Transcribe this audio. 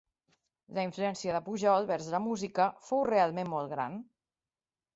La influència de Pujol, vers la música, fou realment molt gran.